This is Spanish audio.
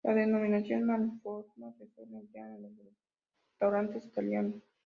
La denominación "al forno" se suele emplear en los restaurantes italianos.